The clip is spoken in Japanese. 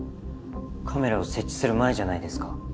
カメラを設置する前じゃないですか？